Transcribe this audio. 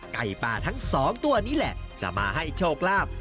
ไก่ปลาทั้งสองตัวนี้แหละจะมาให้โชคลาภ